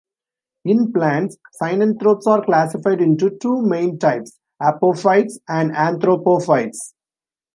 In plants, synanthropes are classified into two main types - apophytes and anthropophytes.